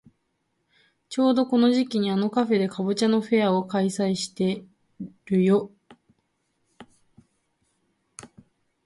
ちょうどこの時期にあのカフェでかぼちゃのフェアを開催してるよ。